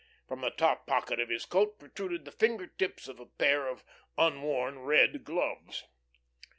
From the top pocket of his coat protruded the finger tips of a pair of unworn red gloves.